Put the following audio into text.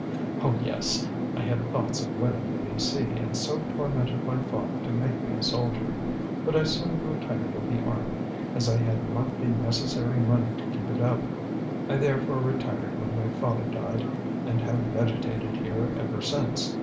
"Oh, yes. I had thoughts of winning the V.C., and so tormented my father to make me a soldier. But I soon grew tired of the Army, as I had not the necessary money to keep it up. I therefore retired when my father died and have vegetated here ever since.